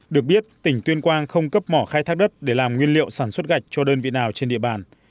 được biết tỉnh tuyên quang không cấp mỏ khai thác đất để làm nguyên liệu sản xuất gạch cho đơn vị nào trên địa bàn